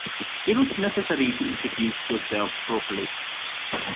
it was necessary to introduce yourself properly.